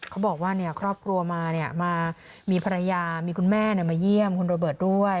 เขาบอกว่าครอบครัวมามีภรรยามีคุณแม่มาเยี่ยมคุณโรเบิร์ตด้วย